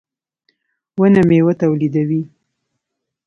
• ونه مېوه تولیدوي.